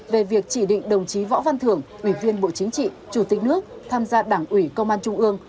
về việc chỉ định đồng chí võ văn thưởng ủy viên bộ chính trị chủ tịch nước tham gia đảng ủy công an trung ương